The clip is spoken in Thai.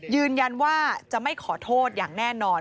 ยืนยันว่าจะไม่ขอโทษอย่างแน่นอน